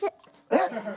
えっ？